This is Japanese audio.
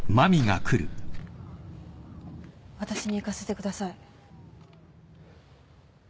わたしに行かせてください。